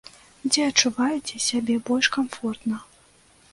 Дзе адчуваеце сябе больш камфортна?